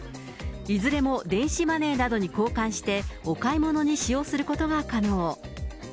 いずれも電子マネーなどに交換して、お買い物に使用することが可能。